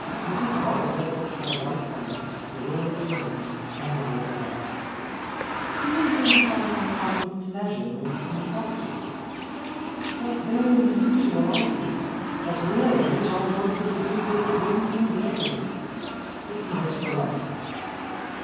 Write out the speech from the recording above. Mrs. Forrester put her white hand, with all its rings, on Niel's arm. "Do you really find a kind of pleasure in com ing back to us? That's very unusual, I think. At your age I wanted to be with the young and gay. It's nice for us, though."